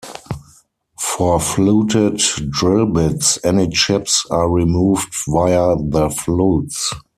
For fluted drill bits, any chips are removed via the flutes.